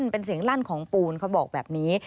เป็นเสียงลั่นของปูนเขาบอกแบบนี้